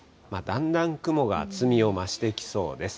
だんだん雲が厚みを増してきそうです。